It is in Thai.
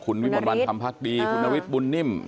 คุณวิมลวันธรรมพักดีคุณนวิทย์บุญนิ่ม